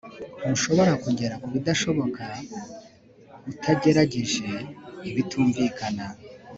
ntushobora kugera kubidashoboka utagerageje ibitumvikana